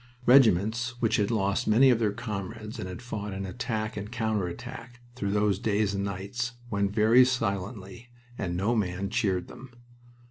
Regiments which had lost many of their comrades and had fought in attack and counter attack through those days and nights went very silently, and no man cheered them.